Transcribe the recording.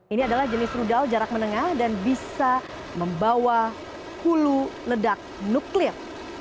ini adalah jenis rudal jarak menengah dan bisa membawa hulu ledak nuklir